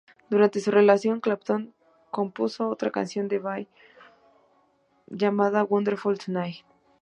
Durante su relación, Clapton compuso otra canción para Boyd llamada "Wonderful Tonight".